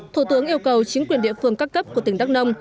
thủ tướng yêu cầu chính quyền địa phương các cấp của tỉnh đắk nông